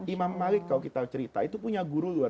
imam malik kalau kita cerita itu punya guru luar